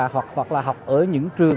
hoặc là học ở những trường